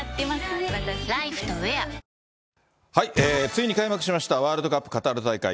ついに開幕しました、ワールドカップカタール大会。